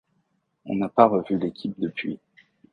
On n'a pas revu l'équipe depuis.